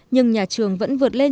nhưng nhà trường vẫn vượt lên